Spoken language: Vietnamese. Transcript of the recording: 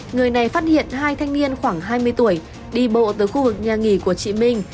người này phát hiện hai thanh niên khoảng hai mươi tuổi đi bộ tới khu vực nhà nghỉ của chị minh